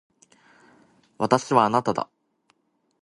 私はあなただ。